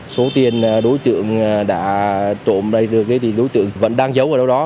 số tiền đối tượng đã trộm đầy được thì đối tượng vẫn đang giấu ở đâu đó